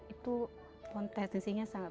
itu potensinya sangat